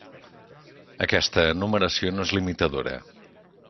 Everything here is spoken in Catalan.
Aquesta enumeració no és limitadora.